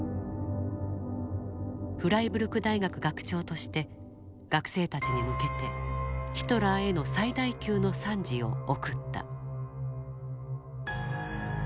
フライブルク大学学長として学生たちに向けてヒトラーへの最大級の賛辞を贈った。